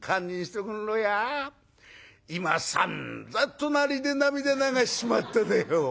今さんざん隣で涙流しちまっただよ。